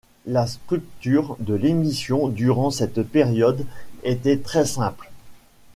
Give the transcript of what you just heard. La structure de l'émission durant cette période était très simple.